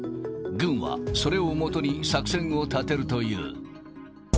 軍は、それをもとに作戦を立てるという。